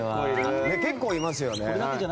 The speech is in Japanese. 結構いますよね。